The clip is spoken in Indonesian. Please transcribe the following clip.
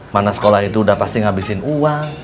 mana sekolah itu udah pasti ngabisin uang